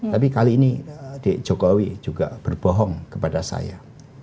tapi kali ini adik jokowi juga berbohong kepada saya